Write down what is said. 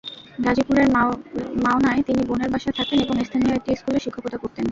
গাজীপুরের মাওনায় তিনি বোনের বাসায় থাকতেন এবং স্থানীয় একটি স্কুলে শিক্ষকতা করতেন।